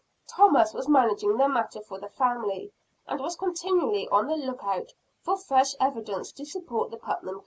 Thomas was managing the matter for the family; and was continually on the look out for fresh evidence to support the Putnam claim.